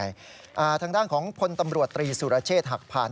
ทางด้านของพลตำรวจตรีสุรเชษฐ์หักผ่าน